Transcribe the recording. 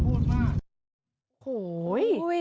ได้ได้ไม่ต้องมาแล้วค่ะ